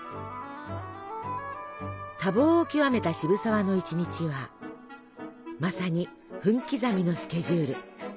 多忙を極めた渋沢の１日はまさに分刻みのスケジュール。